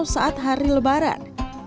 saat hari lebaran